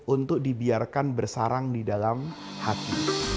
untuk dibiarkan bersarang di dalam hati